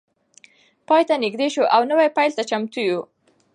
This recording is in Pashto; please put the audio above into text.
پای ته نږدې شو او نوی پیل ته چمتو یو.